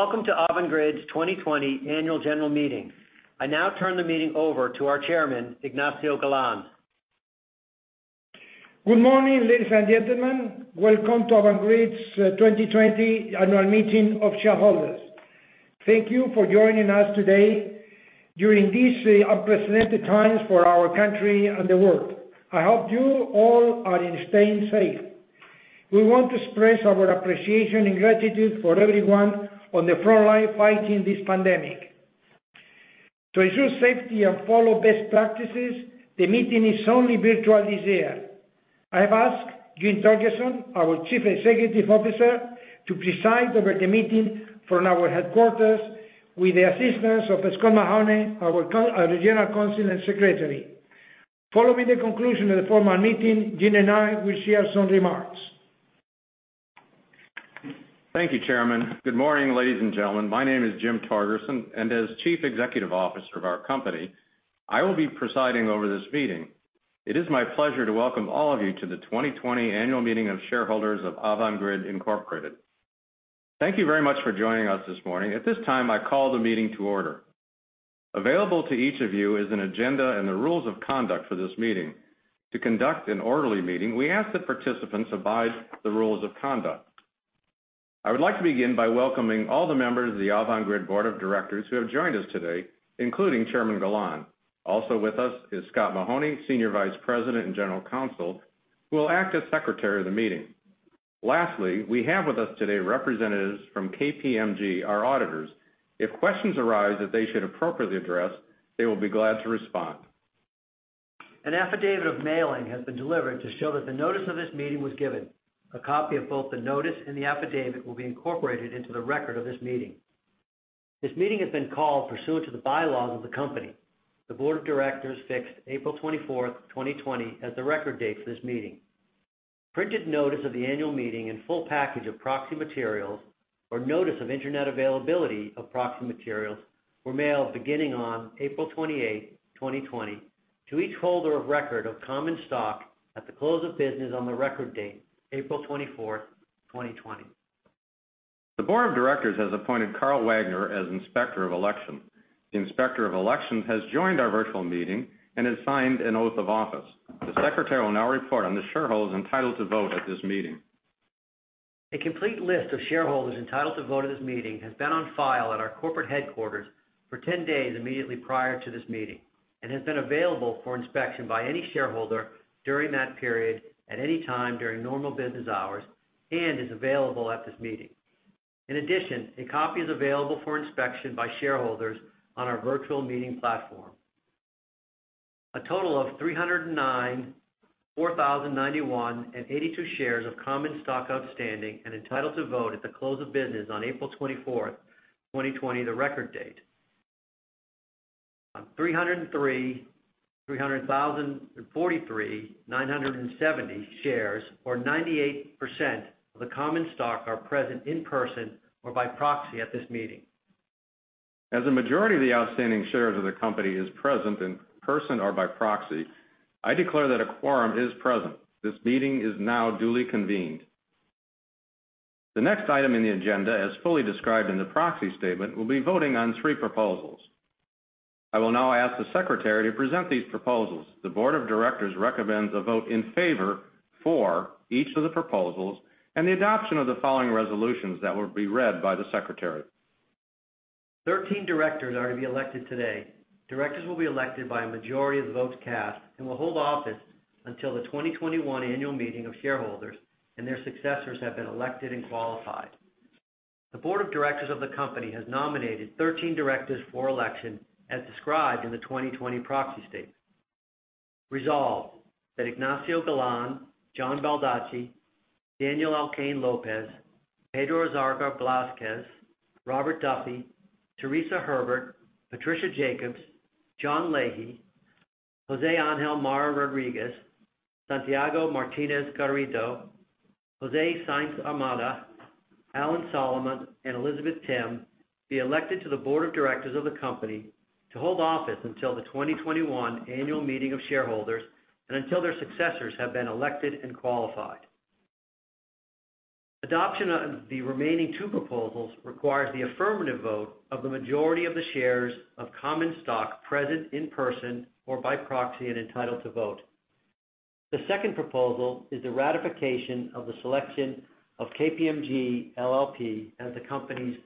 Welcome to Avangrid's 2020 annual general meeting. I now turn the meeting over to our Chairman, Ignacio Galán. Good morning, ladies and gentlemen. Welcome to Avangrid's 2020 annual meeting of shareholders. Thank you for joining us today during these unprecedented times for our country and the world. I hope you all are staying safe. We want to express our appreciation and gratitude for everyone on the front line fighting this pandemic. To ensure safety and follow best practices, the meeting is only virtual this year. I have asked Jim Torgerson, our Chief Executive Officer, to preside over the meeting from our headquarters with the assistance of Scott Mahoney, our General Counsel and Secretary. Following the conclusion of the formal meeting, Jim and I will share some remarks. Thank you, Chairman. Good morning, ladies and gentlemen. My name is Jim Torgerson, and as Chief Executive Officer of our company, I will be presiding over this meeting. It is my pleasure to welcome all of you to the 2020 annual meeting of shareholders of Avangrid, Incorporated. Thank you very much for joining us this morning. At this time, I call the meeting to order. Available to each of you is an agenda and the rules of conduct for this meeting. To conduct an orderly meeting, we ask that participants abide by the rules of conduct. I would like to begin by welcoming all the members of the Avangrid Board of Directors who have joined us today, including Chairman Galán. Also with us is Scott Mahoney, Senior Vice President and General Counsel, who will act as Secretary of the meeting. Lastly, we have with us today representatives from KPMG, our auditors. If questions arise that they should appropriately address, they will be glad to respond. An affidavit of mailing has been delivered to show that the notice of this meeting was given. A copy of both the notice and the affidavit will be incorporated into the record of this meeting. This meeting has been called pursuant to the bylaws of the company. The Board of Directors fixed April 24th, 2020, as the record date for this meeting. Printed notice of the annual meeting and full package of proxy materials, or notice of internet availability of proxy materials, were mailed beginning on April 28th, 2020, to each holder of record of common stock at the close of business on the record date, April 24th, 2020. The Board of Directors has appointed Carl Wagner as Inspector of Election. The Inspector of Election has joined our virtual meeting and has signed an oath of office. The Secretary will now report on the shareholders entitled to vote at this meeting. A complete list of shareholders entitled to vote at this meeting has been on file at our corporate headquarters for 10 days immediately prior to this meeting, and has been available for inspection by any shareholder during that period at any time during normal business hours, and is available at this meeting. A copy is available for inspection by shareholders on our virtual meeting platform. A total of 309,041,82 shares of common stock outstanding and entitled to vote at the close of business on April 24th, 2020, the record date. 303,043,970 shares, or 98% of the common stock, are present in person or by proxy at this meeting. As a majority of the outstanding shares of the company is present in person or by proxy, I declare that a quorum is present. This meeting is now duly convened. The next item in the agenda, as fully described in the proxy statement, will be voting on three proposals. I will now ask the Secretary to present these proposals. The Board of Directors recommends a vote in favor for each of the proposals, and the adoption of the following resolutions that will be read by the Secretary. 13 directors are to be elected today. Directors will be elected by a majority of the votes cast and will hold office until the 2021 annual meeting of shareholders and their successors have been elected and qualified. The Board of Directors of the company has nominated 13 directors for election as described in the 2020 proxy statement. Resolved, that Ignacio Galán, John Baldacci, Daniel Alcain López, Pedro Azagra Blázquez, Robert Duffy, Teresa Herbert, Patricia Jacobs, John Lahey, José Ángel Marra Rodríguez, Santiago Martínez Garrido, José Sáinz Armada, Alan Solomont, and Elizabeth Timm elected to the Board of Directors of the company to hold office until the 2021 annual meeting of shareholders, and until their successors have been elected and qualified. Adoption of the remaining two proposals requires the affirmative vote of the majority of the shares of common stock present in person or by proxy and entitled to vote. The second proposal is the ratification of the selection of KPMG LLP as the company's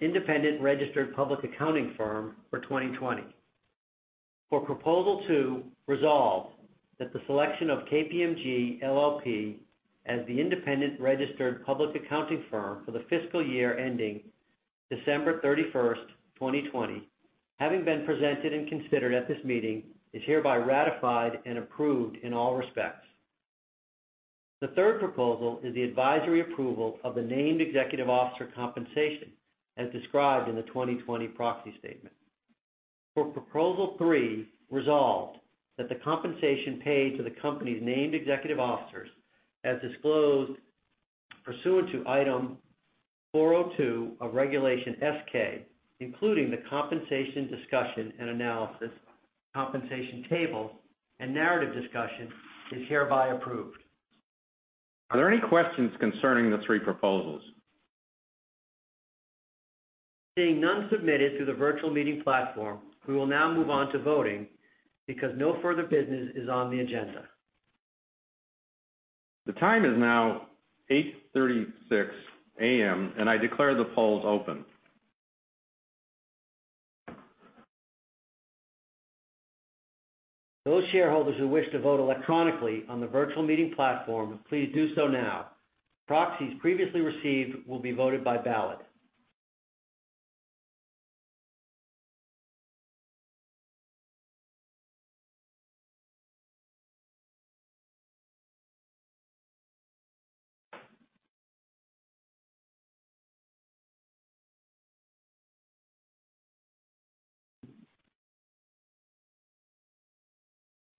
independent registered public accounting firm for 2020. For Proposal 2, resolved that the selection of KPMG LLP as the independent registered public accounting firm for the fiscal year ending December 31st, 2020, having been presented and considered at this meeting, is hereby ratified and approved in all respects. The third proposal is the advisory approval of the named executive officer compensation as described in the 2020 proxy statement. For Proposal 3, resolved that the compensation paid to the company's named executive officers as disclosed pursuant to Item 402 of Regulation S-K, including the compensation discussion and analysis compensation table and narrative discussion, is hereby approved. Are there any questions concerning the three proposals? Seeing none submitted through the virtual meeting platform, we will now move on to voting because no further business is on the agenda. The time is now 8:36 A.M., and I declare the polls open. Those shareholders who wish to vote electronically on the virtual meeting platform, please do so now. Proxies previously received will be voted by ballot.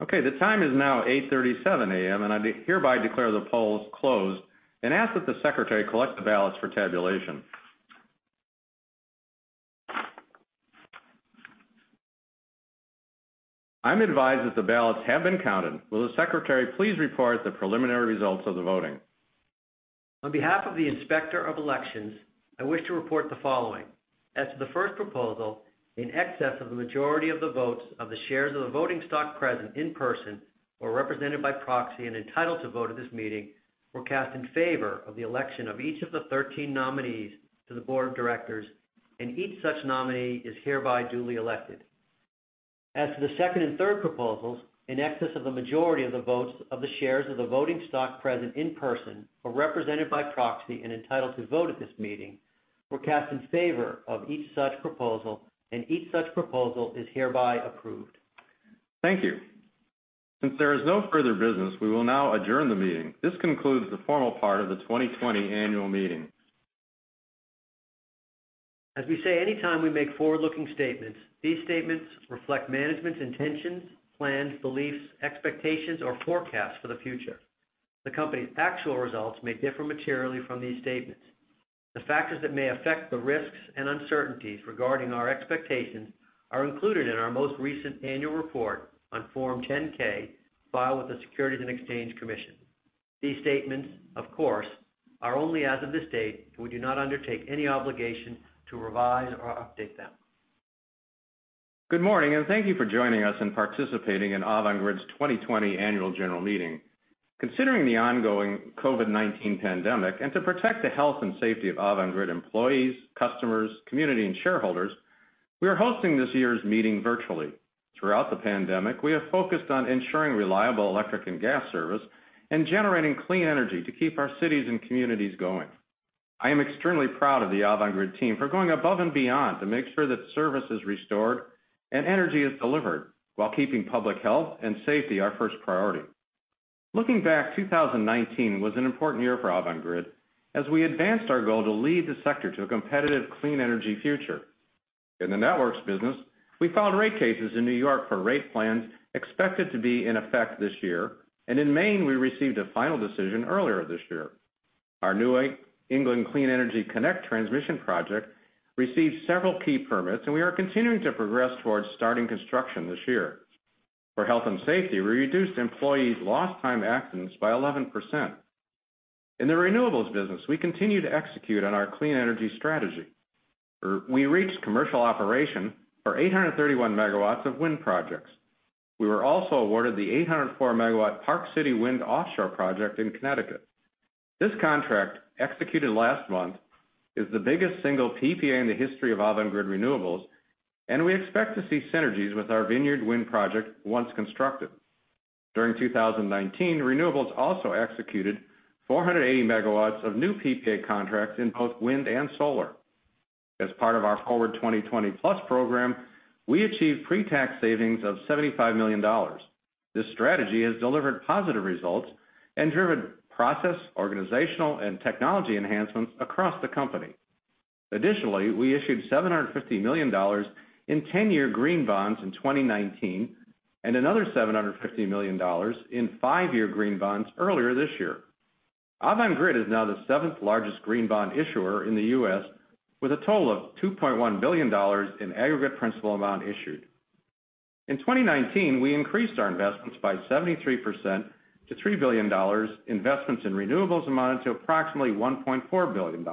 Okay. The time is now 8:37 A.M. I hereby declare the polls closed and ask that the secretary collect the ballots for tabulation. I'm advised that the ballots have been counted. Will the Secretary please report the preliminary results of the voting? On behalf of the Inspector of Elections, I wish to report the following. As to the first proposal, in excess of the majority of the votes of the shares of the voting stock present in person or represented by proxy and entitled to vote at this meeting were cast in favor of the election of each of the 13 nominees to the board of directors, and each such nominee is hereby duly elected. As to the second and third proposals, in excess of the majority of the votes of the shares of the voting stock present in person or represented by proxy and entitled to vote at this meeting, were cast in favor of each such proposal, and each such proposal is hereby approved. Thank you. Since there is no further business, we will now adjourn the meeting. This concludes the formal part of the 2020 annual meeting. As we say, anytime we make forward-looking statements, these statements reflect management's intentions, plans, beliefs, expectations, or forecasts for the future. The company's actual results may differ materially from these statements. The factors that may affect the risks and uncertainties regarding our expectations are included in our most recent annual report on Form 10-K filed with the Securities and Exchange Commission. These statements, of course, are only as of this date, and we do not undertake any obligation to revise or update them. Good morning, and thank you for joining us and participating in Avangrid's 2020 annual general meeting. Considering the ongoing COVID-19 pandemic and to protect the health and safety of Avangrid employees, customers, community, and shareholders, we are hosting this year's meeting virtually. Throughout the pandemic, we have focused on ensuring reliable electric and gas service and generating clean energy to keep our cities and communities going. I am extremely proud of the Avangrid team for going above and beyond to make sure that service is restored and energy is delivered while keeping public health and safety our first priority. Looking back, 2019 was an important year for Avangrid as we advanced our goal to lead the sector to a competitive, clean energy future. In the networks business, we filed rate cases in New York for rate plans expected to be in effect this year. In Maine, we received a final decision earlier this year. Our New England Clean Energy Connect transmission project received several key permits, and we are continuing to progress towards starting construction this year. For health and safety, we reduced employees' lost time accidents by 11%. In the renewables business, we continue to execute on our clean energy strategy. We reached commercial operation for 831 MW of wind projects. We were also awarded the 804-MW Park City Wind offshore project in Connecticut. This contract, executed last month, is the biggest single PPA in the history of Avangrid Renewables, and we expect to see synergies with our Vineyard Wind project once constructed. During 2019, Renewables also executed 480 MW of new PPA contracts in both wind and solar. As part of our Forward 2020+ program, we achieved pre-tax savings of $75 million. This strategy has delivered positive results and driven process, organizational, and technology enhancements across the company. Additionally, we issued $750 million in 10-year green bonds in 2019 and another $750 million in five-year green bonds earlier this year. Avangrid is now the seventh-largest green bond issuer in the U.S., with a total of $2.1 billion in aggregate principal amount issued. In 2019, we increased our investments by 73% to $3 billion. Investments in renewables amounted to approximately $1.4 billion,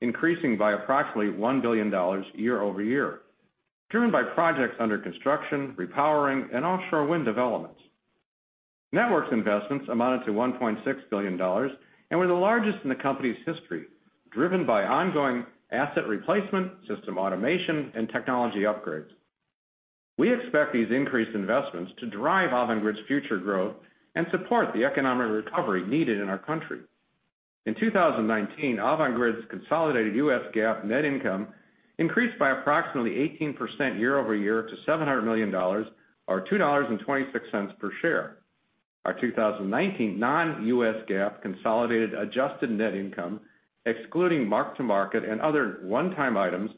increasing by approximately $1 billion year-over-year, driven by projects under construction, repowering, and offshore wind developments. Networks investments amounted to $1.6 billion and were the largest in the company's history, driven by ongoing asset replacement, system automation, and technology upgrades. We expect these increased investments to drive Avangrid's future growth and support the economic recovery needed in our country. In 2019, Avangrid's consolidated US GAAP net income increased by approximately 18% year-over-year to $700 million or $2.26 per share. Our 2019 non-US GAAP consolidated adjusted net income, excluding mark-to-market and other one-time items,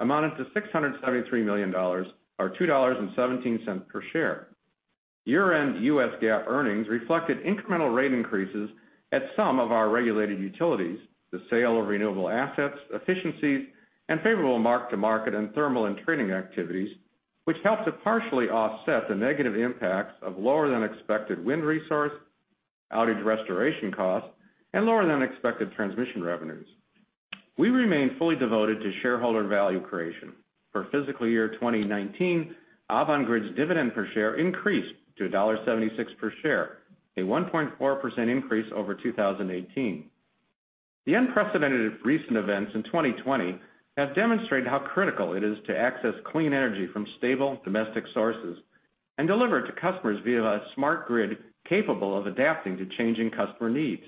amounted to $673 million or $2.17 per share. Year-end US GAAP earnings reflected incremental rate increases at some of our regulated utilities, the sale of renewable assets, efficiencies, and favorable mark-to-market and thermal and trading activities, which helped to partially offset the negative impacts of lower than expected wind resource, outage restoration costs, and lower than expected transmission revenues. We remain fully devoted to shareholder value creation. For fiscal year 2019, Avangrid's dividend per share increased to $1.76 per share, a 1.4% increase over 2018. The unprecedented recent events in 2020 have demonstrated how critical it is to access clean energy from stable domestic sources, and deliver to customers via a smart grid capable of adapting to changing customer needs.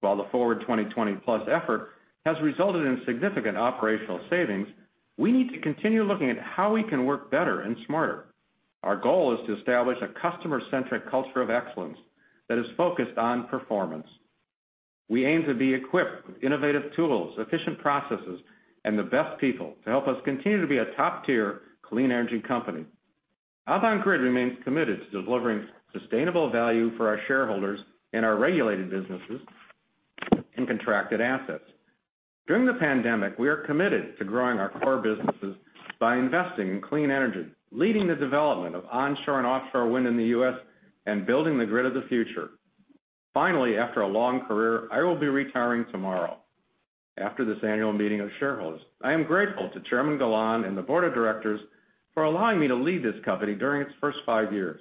While the Forward 2020+ effort has resulted in significant operational savings, we need to continue looking at how we can work better and smarter. Our goal is to establish a customer-centric culture of excellence that is focused on performance. We aim to be equipped with innovative tools, efficient processes, and the best people to help us continue to be a top-tier clean energy company. Avangrid remains committed to delivering sustainable value for our shareholders in our regulated businesses and contracted assets. During the pandemic, we are committed to growing our core businesses by investing in clean energy, leading the development of onshore and offshore wind in the U.S., and building the grid of the future. Finally, after a long career, I will be retiring tomorrow, after this annual meeting of shareholders. I am grateful to Chairman Galán and the board of directors for allowing me to lead this company during its first five years.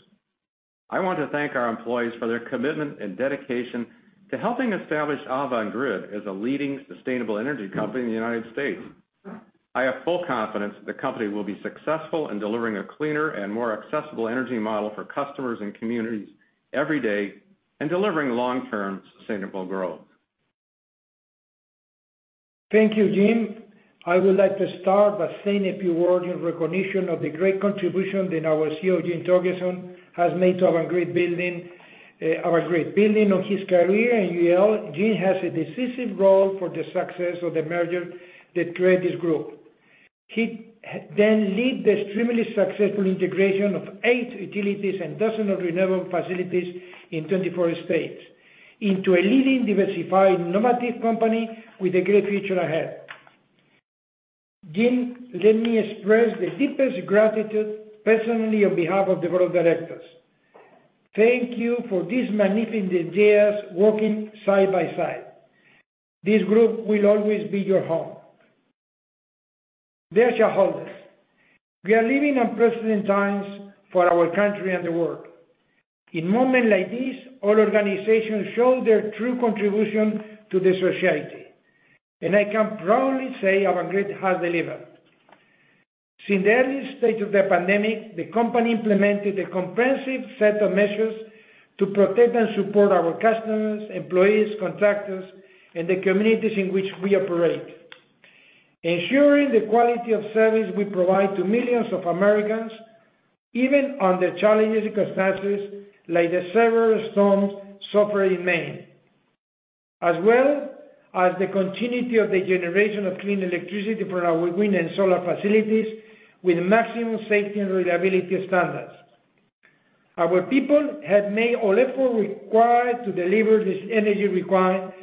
I want to thank our employees for their commitment and dedication to helping establish Avangrid as a leading sustainable energy company in the United States. I have full confidence the company will be successful in delivering a cleaner and more accessible energy model for customers and communities every day, and delivering long-term sustainable growth. Thank you, Jim. I would like to start by saying a few words in recognition of the great contribution that our CEO, Jim Torgerson, has made to Avangrid building. Building on his career in UIL, Jim has a decisive role for the success of the merger that created this group. He led the extremely successful integration of eight utilities and dozens of renewable facilities in 24 states into a leading, diversified, innovative company with a great future ahead. Jim, let me express the deepest gratitude personally on behalf of the board of directors. Thank you for these magnificent years working side by side. This group will always be your home. Dear shareholders, we are living unprecedented times for our country and the world. In moments like this, all organizations show their true contribution to the society, and I can proudly say Avangrid has delivered. Since the early stage of the pandemic, the company implemented a comprehensive set of measures to protect and support our customers, employees, contractors, and the communities in which we operate, ensuring the quality of service we provide to millions of Americans, even under challenging circumstances like the severe storms suffered in Maine, as well as the continuity of the generation of clean electricity for our wind and solar facilities with maximum safety and reliability standards. Our people have made all effort required to deliver this energy required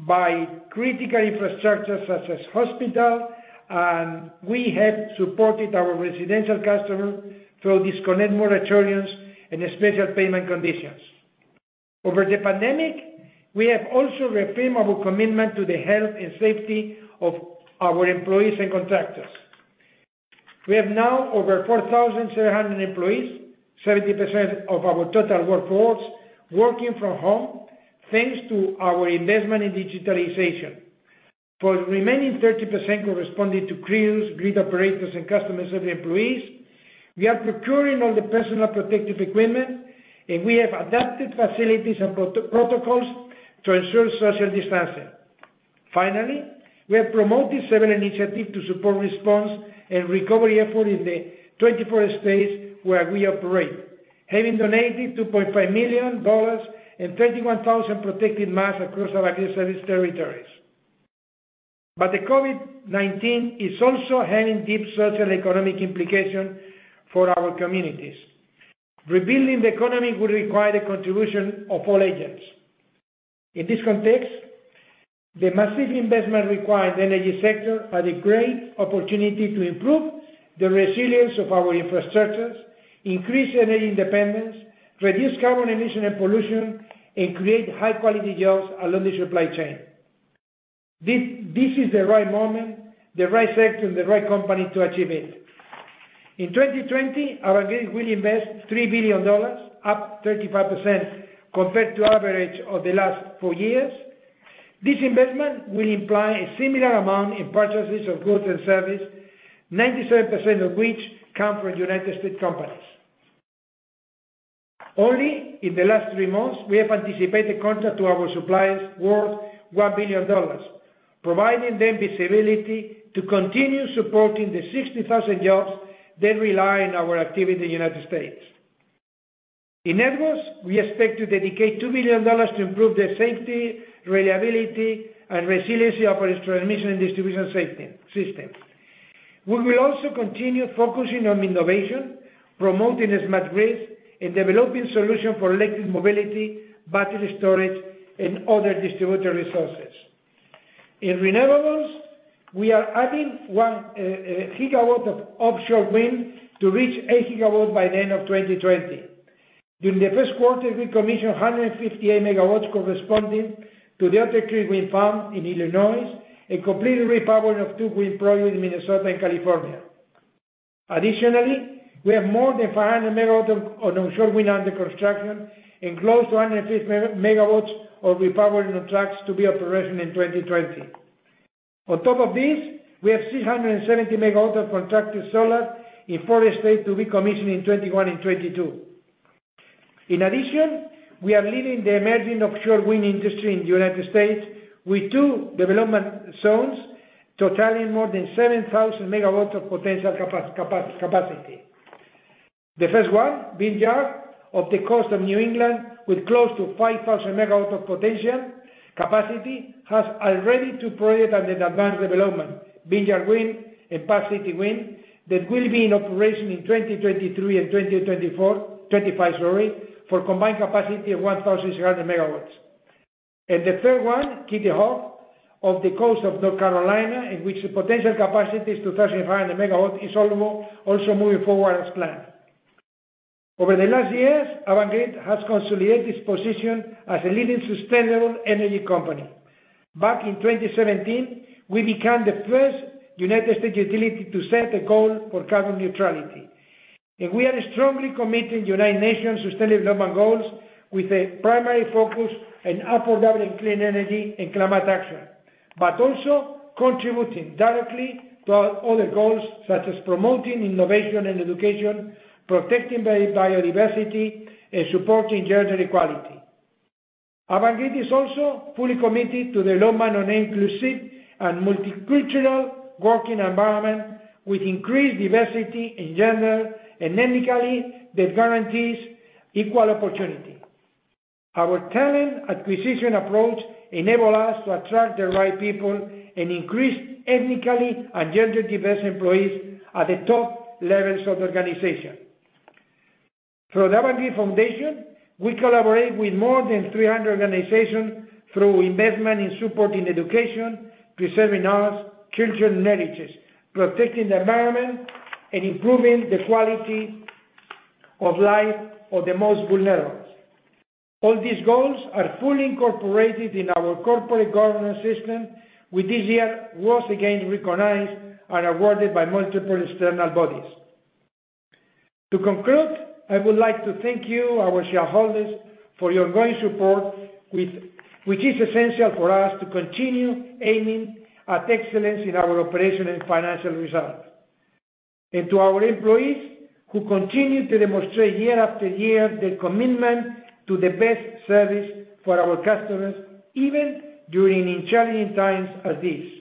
by critical infrastructure such as hospital, and we have supported our residential customers through disconnect moratoriums and special payment conditions. Over the pandemic, we have also reaffirmed our commitment to the health and safety of our employees and contractors. We have now over 4,700 employees, 70% of our total workforce, working from home, thanks to our investment in digitalization. For the remaining 30% corresponding to crews, grid operators, and customers service employees, we are procuring all the personal protective equipment, and we have adapted facilities and protocols to ensure social distancing. Finally, we have promoted several initiatives to support response and recovery effort in the 24 states where we operate, having donated $2.5 million and 31,000 protective masks across Avangrid service territories. The COVID-19 is also having deep social economic implication for our communities. Rebuilding the economy will require the contribution of all agents. In this context, the massive investment required in the energy sector are the great opportunity to improve the resilience of our infrastructures, increase energy independence, reduce carbon emission and pollution, and create high-quality jobs along the supply chain. This is the right moment, the right sector, and the right company to achieve it. In 2020, Avangrid will invest $3 billion, up 35% compared to average of the last four years. This investment will imply a similar amount in purchases of goods and service, 97% of which come from United States companies. Only in the last three months, we have anticipated contract to our suppliers worth $1 billion, providing them visibility to continue supporting the 60,000 jobs that rely on our activity in the United States. In networks, we expect to dedicate $2 billion to improve the safety, reliability, and resiliency of our transmission and distribution system. We will also continue focusing on innovation, promoting smart grids, and developing solutions for electric mobility, battery storage, and other distributed resources. In renewables, we are adding 1 GW of offshore wind to reach 8 GW by the end of 2020. During the first quarter, we commissioned 158 MW corresponding to the Otter Creek Wind Farm in Illinois, and completed repowering of two wind projects in Minnesota and California. Additionally, we have more than 500 MW of onshore wind under construction and close to 150 MW of repowering on tracks to be operational in 2020. On top of this, we have 670 MW of contracted solar in four states to be commissioned in 2021 and 2022. In addition, we are leading the emerging offshore wind industry in the U.S. with two development zones totaling more than 7,000 MW of potential capacity. The first one, Vineyard, off the coast of New England, with close to 5,000 MW of potential capacity, has already two projects under advanced development, Vineyard Wind and Park City Wind, that will be in operation in 2023 and 2024, 2025, sorry, for a combined capacity of 1,300 MW. The third one, Kitty Hawk, off the coast of North Carolina, in which the potential capacity is 2,500 MW, is also moving forward as planned. Over the last years, Avangrid has consolidated its position as a leading sustainable energy company. Back in 2017, we became the first U.S. utility to set a goal for carbon neutrality. We are strongly committed to the United Nations Sustainable Development Goals, with a primary focus on affordable and clean energy and climate action. Also contributing directly to other goals, such as promoting innovation and education, protecting biodiversity, and supporting gender equality. Avangrid is also fully committed to the development of an inclusive and multicultural working environment with increased diversity in gender and ethnicity that guarantees equal opportunity. Our talent acquisition approach enables us to attract the right people and increase ethnically and gender-diverse employees at the top levels of the organization. Through the Avangrid Foundation, we collaborate with more than 300 organizations through investment in supporting education, preserving arts, children's narratives, protecting the environment, and improving the quality of life of the most vulnerable. All these goals are fully incorporated in our corporate governance system, which this year was again recognized and awarded by multiple external bodies. To conclude, I would like to thank you, our shareholders, for your ongoing support, which is essential for us to continue aiming at excellence in our operation and financial results. To our employees, who continue to demonstrate year after year their commitment to the best service for our customers, even during challenging times as these.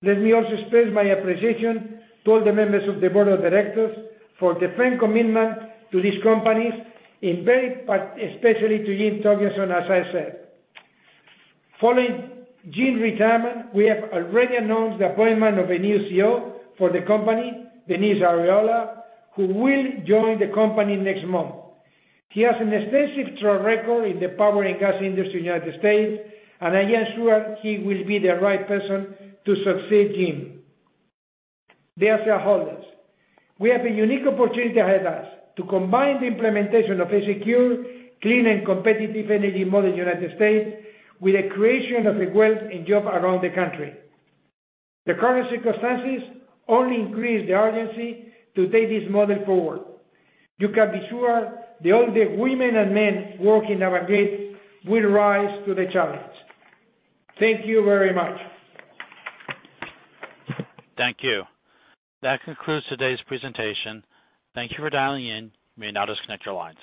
Let me also express my appreciation to all the members of the board of directors for their firm commitment to these companies, and very especially to Jim Torgerson, as I said. Following Jim's retirement, we have already announced the appointment of a new CEO for the company, Dennis Arriola, who will join the company next month. She has an extensive track record in the power and gas industry in the U.S., and I am sure she will be the right person to succeed Jim. Dear shareholders, we have a unique opportunity ahead of us to combine the implementation of a secure, clean, and competitive energy model in the U.S. with the creation of wealth and jobs around the country. The current circumstances only increase the urgency to take this model forward. You can be sure that all the women and men working at Avangrid will rise to the challenge. Thank you very much. Thank you. That concludes today's presentation. Thank you for dialing in. You may now disconnect your lines.